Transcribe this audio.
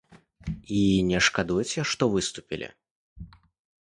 І не шкадуеце, што выступілі?